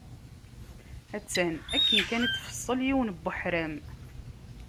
Attan akken kan i d-tfeṣṣel yiwen n weḥram.